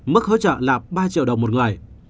mức hỗ trợ là ba triệu đồng một người